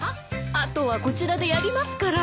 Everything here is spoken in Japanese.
あとはこちらでやりますから。